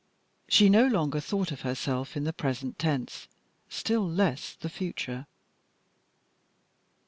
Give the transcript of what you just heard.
She no longer thought of herself in the present tense, still less the future.